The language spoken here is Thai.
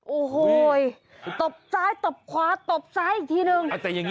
โอ้โหตบซ้ายตบขวาตบซ้ายอีกทีนึง